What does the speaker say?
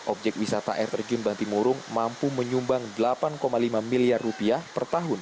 objek wisata air terjun bantimurung mampu menyumbang rp delapan lima miliar